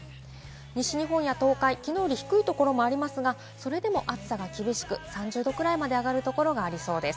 西日本や東海、きのうより低いところもありますが、それでも暑さが厳しく３０度くらいまで上がるところがありそうです。